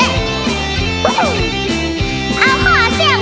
ปกติก็เป็นคนเยี่ยม